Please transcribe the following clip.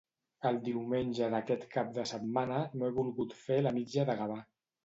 El diumenge d'aquest cap de setmana no he volgut fer la Mitja de Gavà.